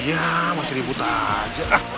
iya masih ribut aja